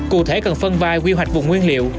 cụ thể cần phân vai quy hoạch vùng nguyên liệu